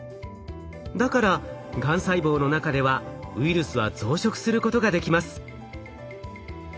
だからがん細胞の中ではウイルスは増殖することができます。